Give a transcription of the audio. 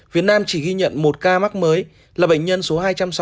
việt nam chỉ ghi nhận một ca mắc mới là bệnh nhân số hai trăm sáu mươi tám